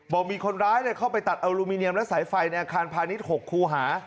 บอกมีคนร้ายเข้าไปตัดอลูมิเนียมและสายไฟในอาคารพาณิชย์๖คูหา